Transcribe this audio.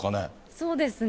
そうですね。